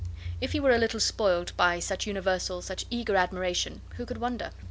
If he were a little spoilt by such universal, such eager admiration, who could wonder?